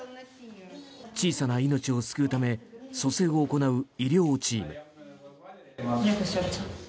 小さな命を救うため蘇生を行う医療チーム。